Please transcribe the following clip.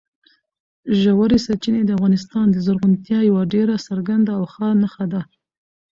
ژورې سرچینې د افغانستان د زرغونتیا یوه ډېره څرګنده او ښه نښه ده.